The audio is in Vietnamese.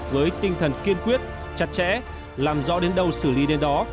với tinh thần kiên quyết chặt chẽ làm rõ đến đâu xử lý đến đó